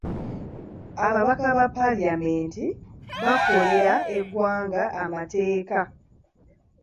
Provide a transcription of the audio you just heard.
Ababaka ba paalamenti bakolera eggwanga amateeka.